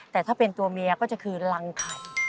แต่ถ้าเป็นตัวเมียก็จะคือรังไข่